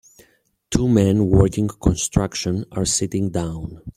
Two men working construction are sitting down.